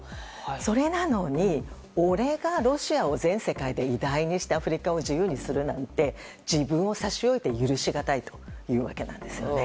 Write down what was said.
それなのに、俺がロシアを全世界で偉大にしたアフリカを自由にするなんて自分を差し置いて許しがたいというわけなんですよね。